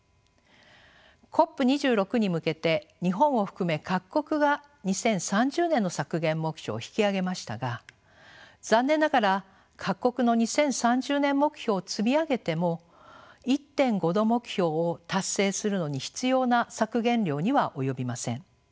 ＣＯＰ２６に向けて日本を含め各国が２０３０年の削減目標を引き上げましたが残念ながら各国の２０３０年目標を積み上げても１．５℃目標を達成するのに必要な削減量には及びません。